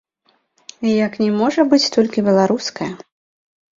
Як не можа быць толькі беларуская.